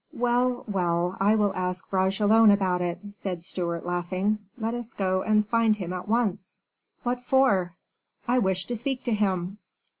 "Well, well, I will ask Bragelonne about it," said Stewart, laughing; "let us go and find him at once." "What for?" "I wish to speak to him."